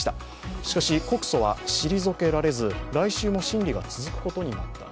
しかし告訴は退けられず、来週も審理が続くことになりました。